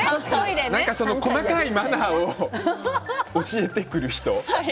何か細かいマナーを教えてくる人。